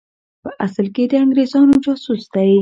په اصل کې د انګرېزانو جاسوس دی.